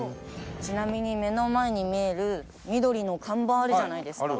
ちなみに目の前に見える緑の看板あるじゃないですか。